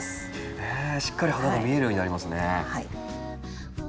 しっかり花が見えるようになりますね。